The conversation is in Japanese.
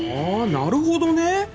なるほどね！